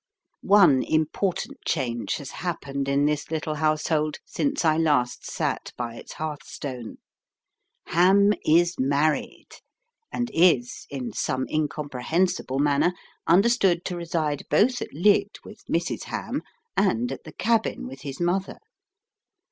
One important change has happened in this little household since I last sat by its hearthstone. Ham is married, and is, in some incomprehensible manner, understood to reside both at Lydd with Mrs. Ham and at the cabin with his mother.